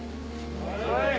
はい。